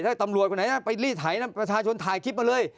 ถ้าตำรวจคนไหนนะไปรีดไถนะประชาชนถ่ายคลิปมาเลย